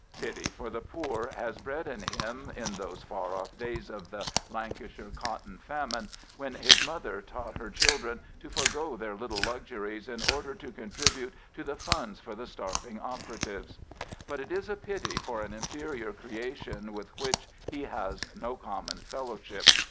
Pity for the poor was bred in him in those far off days of the Lancashire cotton famine, when his mother taught her children to forego their little luxuries in order to contribute to the funds for the starving operatives. But it is pity for an inferior creation with which he has no common fellowship.